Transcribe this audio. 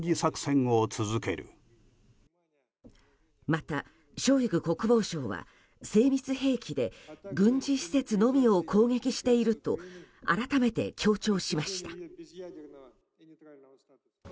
またショイグ国防相は精密兵器で軍事施設のみを攻撃していると改めて強調しました。